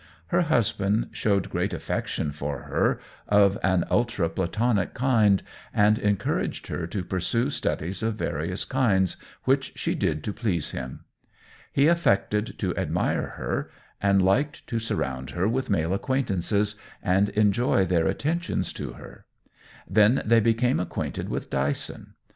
Her husband showed great affection for her of an ultra platonic kind, and encouraged her to pursue studies of various kinds, which she did to please him. He affected to admire her, and liked to surround her with male acquaintances, and enjoy their attentions to her. Then they became acquainted with Dyson.